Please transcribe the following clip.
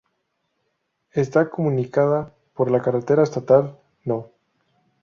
Está comunicada por la carretera estatal No.